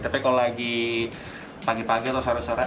tapi kalau lagi pagi pagi atau seharusnya